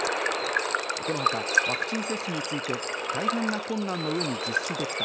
この他、ワクチン接種について大変な困難の上に実施できた。